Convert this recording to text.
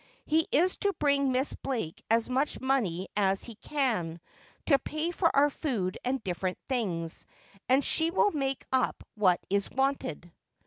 He is to bring Miss Blake as much money as he can, to pay for our food and different things, and she will make up what is wanted.'